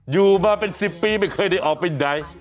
อยู่มาเป็น๑๐ปีไม่เคยได้ออกไปไหน